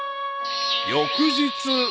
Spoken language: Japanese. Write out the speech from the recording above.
［翌日］